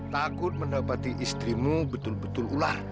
takut mendapati istrimu betul betul ular